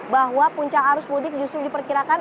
bahwa puncak arus mudik justru diperkirakan